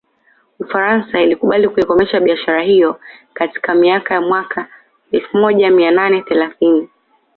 Ufaransa ilikubali kuikomesha biashara hiyo katika miaka ya mwaka elfu moja mia nane thelathini